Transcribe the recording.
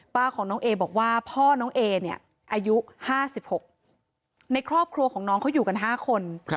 ป้าของน้องเอบอกว่าพ่อน้องเอเนี่ยอายุ๕๖ในครอบครัวของน้องเขาอยู่กัน๕คน